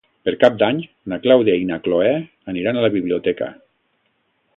Per Cap d'Any na Clàudia i na Cloè aniran a la biblioteca.